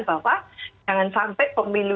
bahwa jangan sampai pemilu